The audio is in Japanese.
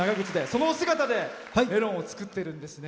そのお姿でメロンを作ってるんですね。